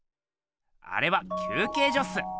あれは休けいじょっす。